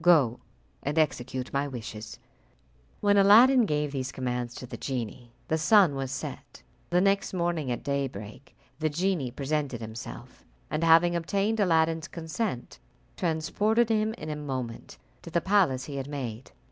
Go and execute my wishes." When Aladdin gave these commands to the genie, the sun was set. The next morning at daybreak the genie presented himself, and, having obtained Aladdin's consent, transported him in a moment to the palace he had made.